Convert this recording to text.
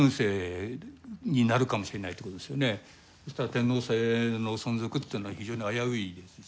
そしたら天皇制の存続っていうのは非常に危ういですし。